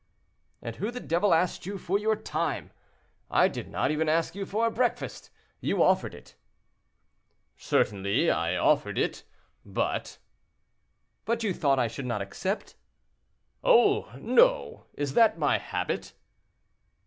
"And who the devil asked you for your time? I did not even ask you for breakfast; you offered it." "Certainly I offered it; but—" "But you thought I should not accept." "Oh! no, is that my habit?"